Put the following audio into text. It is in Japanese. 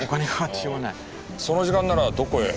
その時間ならどこへ？